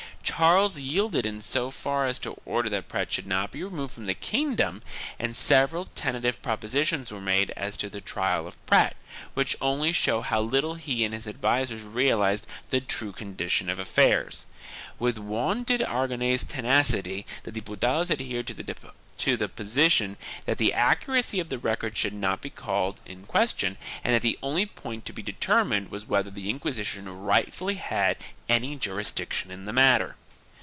Charles yielded in so far as to order that Prat should not be removed from the kingdom and several tentative propositions were made as to the trial of Prat which only show how little he and his advisers realized the true condition of affairs. With wonted Aragonese tenacity the Diputados adhered to the posi tion that the accuracy of the record should not be called in question and that the only point to be determined was whether the Inquisition rightfully had any jurisdiction in the matter.